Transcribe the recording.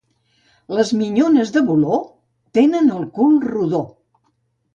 Les minyones del Voló tenen el cul rodó.